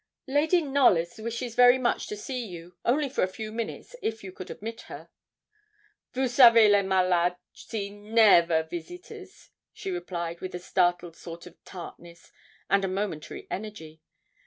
'Lady Knollys wishes very much to see you, only for a few minutes, if you could admit her.' 'Vous savez les malades see never visitors,' she replied with a startled sort of tartness, and a momentary energy.